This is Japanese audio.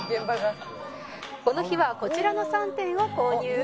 「この日はこちらの３点を購入」